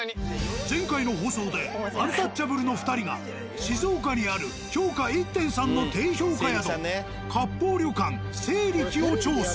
前回の放送でアンタッチャブルの２人が静岡にある評価１．３の低評価宿「割烹旅館勢力」を調査。